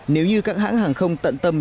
nếu như các hãng hàng không tận tâm